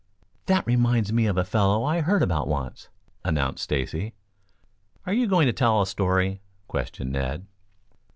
"That reminds me of a fellow I heard about once," announced Stacy. "Are you going to tell a story?" questioned Ned.